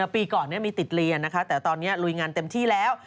ปีก่อนมีติดเรียนนะคะแต่ตอนนี้ลุยงานเต็มที่แล้ว